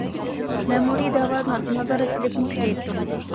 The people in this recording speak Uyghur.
مەمۇرىي دەۋا نازارەتچىلىكىنى كۈچەيتتۇق.